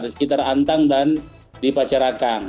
di sekitar antang dan di pacerakang